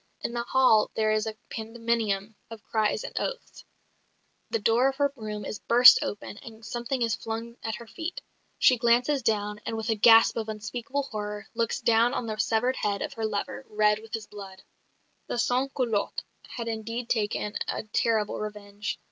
In the hall there is a pandemonium of cries and oaths; the door of her room is burst open, and something is flung at her feet. She glances down; and, with a gasp of unspeakable horror, looks down on the severed head of her lover, red with his blood. The sans culottes had indeed taken a terrible revenge.